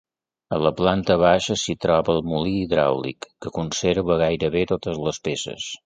A la planta baixa s'hi troba el molí hidràulic, que conserva gairebé totes les peces.